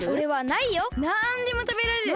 なんでもたべられる。